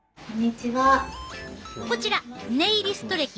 こちらネイリスト歴２０年。